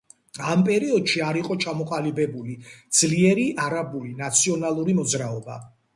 ამ პერიოდში არ იყო ჩამოყალიბებული ძლიერი არაბული ნაციონალური მოძრაობა.